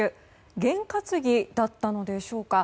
験担ぎだったのでしょうか。